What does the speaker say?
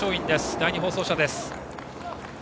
第２放送車です。